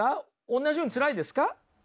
おんなじようにつらいですか？